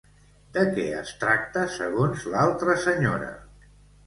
De què es tracta, segons l'altra senyora?